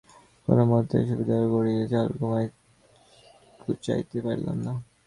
কোনোমতেই সুবোধটার গড়িমসি চাল ঘুচাইতে পারিলাম না।